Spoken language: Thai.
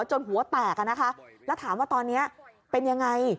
จนหัวแตกอะนะคะแล้วถามว่าตอนนี้เป็นยังไง